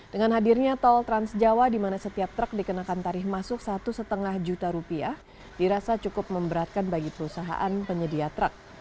dengan hadirnya tol transjawa di mana setiap truk dikenakan tarif masuk satu lima juta rupiah dirasa cukup memberatkan bagi perusahaan penyedia truk